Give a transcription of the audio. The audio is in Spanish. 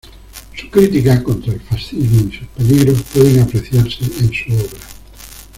Su crítica contra el fascismo y sus peligros puede apreciarse en su obra.